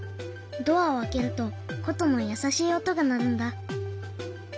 ドアを開けるとことの優しい音が鳴るんだ。